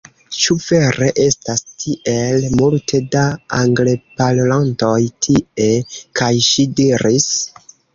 Ĉu vere estas tiel multe da Angleparolantoj tie? kaj ŝi diris: